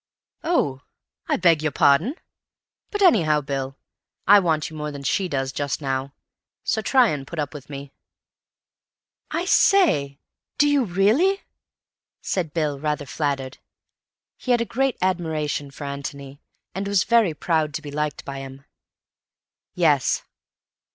"Oh, I beg your pardon. But anyhow, Bill, I want you more than she does just now. So try and put up with me." "I say, do you really?" said Bill, rather flattered. He had a great admiration for Antony, and was very proud to be liked by him. "Yes.